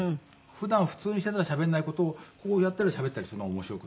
普段普通にしてたらしゃべんない事をこうやったらしゃべったりするのは面白い。